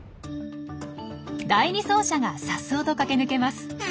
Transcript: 第２走者が颯爽と駆け抜けます。